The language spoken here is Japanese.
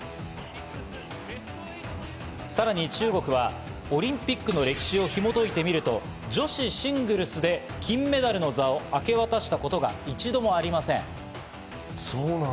さらに中国はオリンピックの歴史をひも解いてみると、女子シングルスで金メダルの座を明け渡したことが一度もありません。